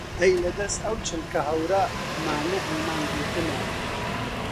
ئەی لە دەس ئەو چڵکە هەورە مانیعی مانگ دیتنە